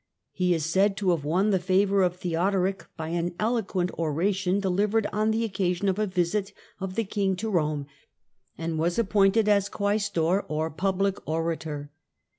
He is said to have won the favour of Theodoric by ^ eloquent oration delivered on the occasion of a visit f the King to Eome, and was appointed as Quaestor, or Public Orator.